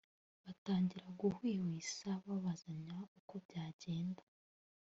batangira guhwihwisa babazanya uko byagenda